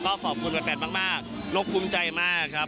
ก็ขอบคุณแฟนมากนกภูมิใจมากครับ